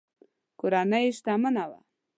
کورنۍ یې شتمنه وه.